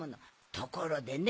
ところでね